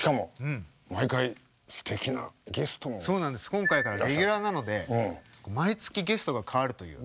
今回からレギュラーなので毎月ゲストが変わるという。